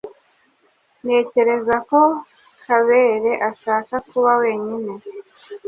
Ntekereza ko Kabere ashaka kuba wenyine.